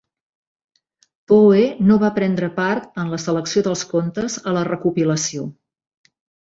Poe no va prendre part en la selecció dels contes a la recopilació.